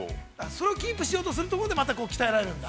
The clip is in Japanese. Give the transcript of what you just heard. ◆それをキープしようとするところで、また鍛えられるんだ。